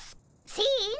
せの。